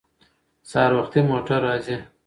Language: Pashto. سهار وختي موټر راځي.